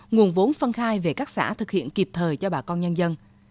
nguồn vốn phân khai về các xã thực hiện kịp thời cho bà con nhân dân